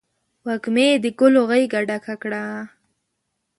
وږمې د ګلو غیږه ډکه کړله